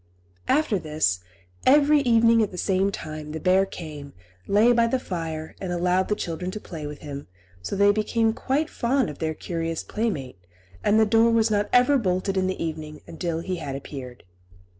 After this, every evening at the same time the bear came, lay by the fire, and allowed the children to play with him; so they became quite fond of their curious playmate, and the door was not ever bolted in the evening until he had appeared.